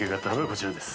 こちらです。